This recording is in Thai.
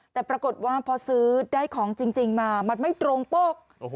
แต่ปรากฏว่าพอซื้อได้ของจริงมามันไม่ตรงปก